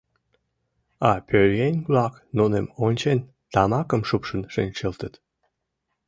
А пӧръеҥ-влак, нуным ончен, тамакым шупшын шинчылтыт.